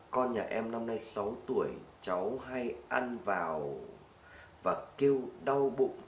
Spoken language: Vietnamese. coi nhà em năm nay sáu tuổi cháu hay ăn vào và kêu đau bụng